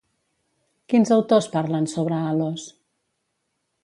Quins autors parlen sobre Halos?